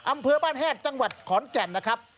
อำเภอบ้านแฮดจังหวัดขอนแก่นนะครับ